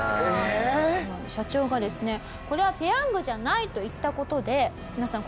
社長がですねこれはペヤングじゃないと言った事で皆さん